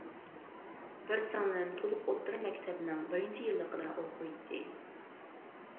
بىر سىڭلىم تولۇق ئوتتۇرا مەكتەپنىڭ بىرىنچى يىللىقىدا ئوقۇيتتى.